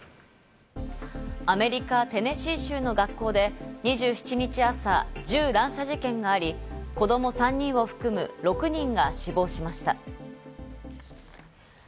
アメリカ・テネシー州の学校で２７日朝、銃乱射事件があり、子供３人を含む６人が死亡しました。